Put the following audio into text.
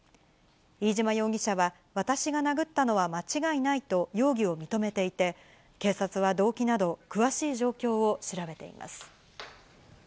飯島容疑者は、私が殴ったのは間違いないと容疑を認めていて、警察は動機など、詳しい状況を調べています。